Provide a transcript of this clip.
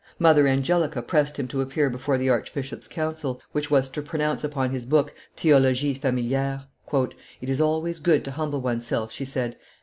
Mother Angelica pressed him to appear before the archbishop's council, which was to pronounce upon his book Theologie familiere. "It is always good to humble one's self," she said.